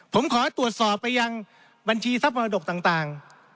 ผมขอตรวจสอบไปยังบัญชีทรัพย์มรดกต่าง